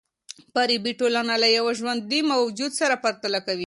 فارابي ټولنه له يوه ژوندي موجود سره پرتله کوي.